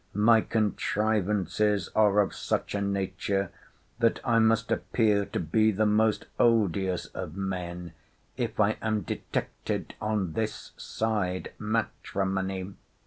My contrivances are of such a nature, that I must appear to be the most odious of men if I am detected on this side matrimony.